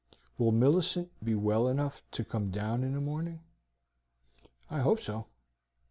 Will Millicent be well enough to come down in the morning?" "I hope so."